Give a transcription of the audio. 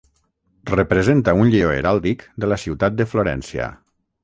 Representa un lleó heràldic de la ciutat de Florència.